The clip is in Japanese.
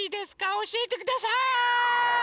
おしえてください！